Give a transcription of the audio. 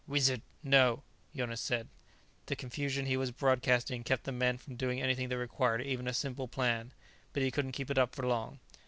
"Wizard " "No," Jonas said. The confusion he was broadcasting kept the men from doing anything that required even a simple plan, but he couldn't keep it up for long.